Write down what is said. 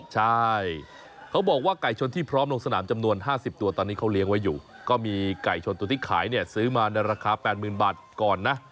ใช่เขาบอกว่าไก่ชนที่พร้อมลงสนามจำนวน๕๐ตัวตอนนี้เขาเลี้ยงไว้อยู่ก็มีไก่ชนตัวที่ขายเนี่ยซื้อมาในราคา๘๐๐๐บาทก่อนนะ